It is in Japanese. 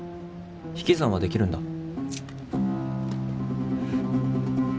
引き算はできるんだ。